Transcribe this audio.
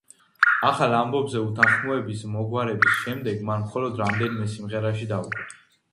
ახალ ალბომზე, უთანხმოებების მოგვარების შემდეგ, მან მხოლოდ რამდენიმე სიმღერაში დაუკრა.